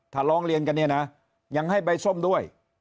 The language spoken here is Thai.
ถ้าร้องเรียนกันเนี่ยนะยังให้ใบส้มด้วย